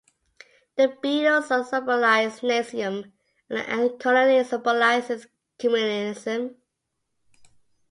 The beetles symbolize Nazism and the ant-colony symbolizes Communism.